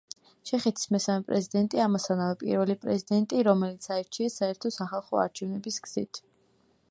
ჩეხეთის მესამე პრეზიდენტი, ამასთანავე პირველი პრეზიდენტი, რომელიც აირჩიეს საერთო-სახალხო არჩევნების გზით.